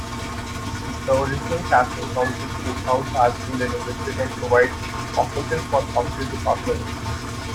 The original Caswell County Courthouse has been renovated and provides offices for county departments.